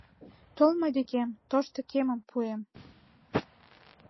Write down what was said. — Тол мый декем, тошто кемым пуэм.